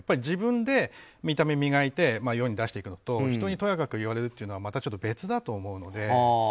自分で見た目を磨いて世に出していくのと人にとやかく言われるのはまたちょっと別だと思うので。